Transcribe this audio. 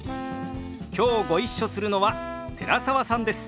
きょうご一緒するのは寺澤さんです。